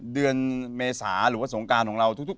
เดือนเมษาหรือว่าสงการของเรา